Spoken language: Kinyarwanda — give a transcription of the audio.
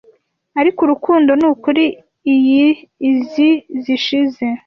Ariko urukundo nukuri iyo izi zishize.